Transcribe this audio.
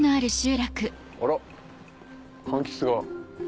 あら柑橘が。